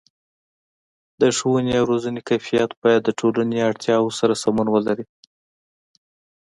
د ښوونې او روزنې کیفیت باید د ټولنې اړتیاو سره سمون ولري.